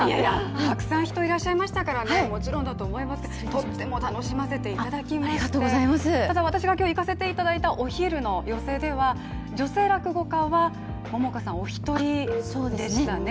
たくさん人いらっしゃいましたからもちろんだと思いますけれども、とっても楽しませていただきましてただ、私が今日行かせていただいたお昼の寄席では、女性落語家は桃花さんお一人でしたね。